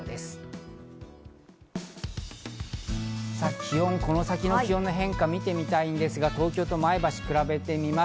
気温、この先の気温の変化を見てみたいんですが、東京と前橋を比べてみます。